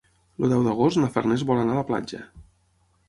El deu d'agost na Farners vol anar a la platja.